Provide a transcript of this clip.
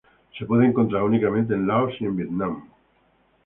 Se puede encontrar únicamente en Laos y en Vietnam.